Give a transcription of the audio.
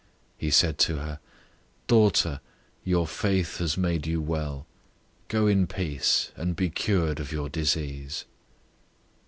005:034 He said to her, "Daughter, your faith has made you well. Go in peace, and be cured of your disease."